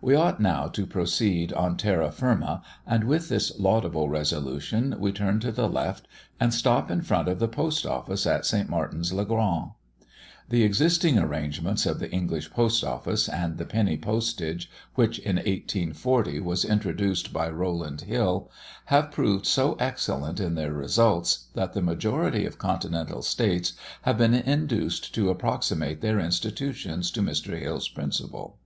We ought now to proceed on terra firma, and with this laudable resolution, we turn to the left, and stop in the front of the post office at St. Martin's le Grand. The existing arrangements of the English post office, and the penny postage, which, in 1840, was introduced by Rowland Hill, have proved so excellent in their results, that the majority of continental states have been induced to approximate their institutions to Mr. Hill's principle.